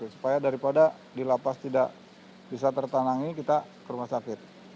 supaya daripada di lapas tidak bisa tertanangi kita ke rumah sakit